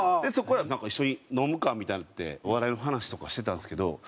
そこからなんか「一緒に飲むか」みたいになってお笑いの話とかしてたんですけど